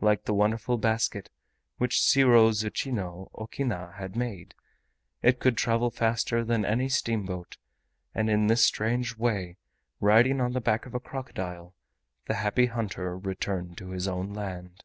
Like the wonderful basket which Shiwozuchino Okina had made, it could travel faster than any steamboat, and in this strange way, riding on the back of a crocodile, the Happy Hunter returned to his own land.